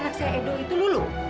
mama mau temuin dia